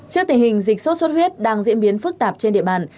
trước tình hình dịch sốt xuất huyết đang diễn biến phức tạp trên địa bàn